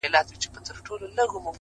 مه کوه گمان د ليوني گلي “